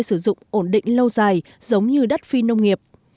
sử dụng ổn định lâu dài giống như đất phi nông nghiệp